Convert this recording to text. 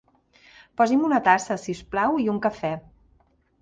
Posi'm una tassa, si us plau, i un cafè.